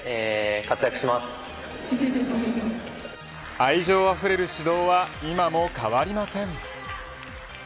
愛情あふれる指導は今も変わりません。